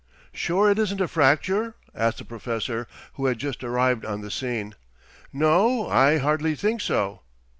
"Sure it isn't a fracture!" asked the Professor, who had just arrived on the scene. "No, I hardly think so."